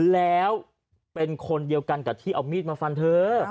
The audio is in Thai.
แล้วเป็นคนเดียวกันกับที่เอามีดมาฟันเธอ